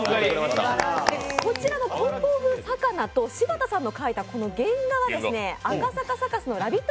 こちらのこん棒風さかなと柴田さんの描いた原画は赤坂サカスのラヴィット！